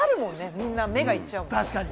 みんな目がいっちゃうもん。